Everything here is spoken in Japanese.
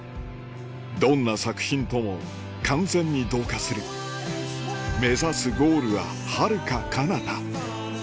どんな作品とも完全に同化する目指すゴールははるかかなた